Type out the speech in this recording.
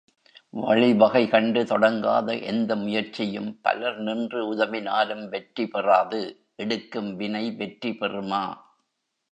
வழிவகை கண்டு தொடங்காத எந்த முயற்சியும் பலர் நின்று உதவினாலும் வெற்றி பெறாது எடுக்கும் வினை வெற்றி பெறுமா?